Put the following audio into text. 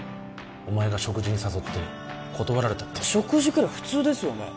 お前が食事に誘って断られたって食事くらい普通ですよね